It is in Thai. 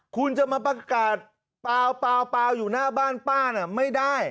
คุณจะมาประกาศเปล่าอยู่หน้าบ้านป้าน่ะไม่ได้